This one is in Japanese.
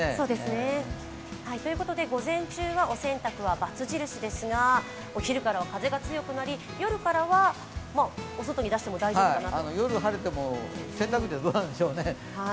午前中はお洗濯は×印ですが、お昼からは風が強くなり、夜からは、お外に出しても大丈夫かなと。